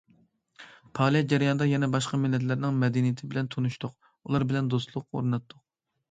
پائالىيەت جەريانىدا يەنە باشقا مىللەتلەرنىڭ مەدەنىيىتى بىلەن تونۇشتۇق، ئۇلار بىلەن دوستلۇق ئورناتتۇق.